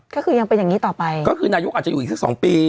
ก็คือยังเป็นอย่างงี้ต่อไปก็คือนายกอาจจะอยู่อีกสักสองปี